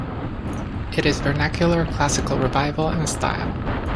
It is vernacular Classical Revival in style.